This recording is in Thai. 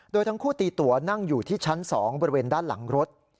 โดยทั้งคู่ตีตัวนั่งอยู่ที่ชั้น๒บริเวณด้านหลังรถ